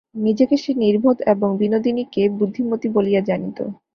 নিজেকে সে নির্বোধ এবং বিনোদিনীকে বুদ্ধিমতী বলিয়া জানিত।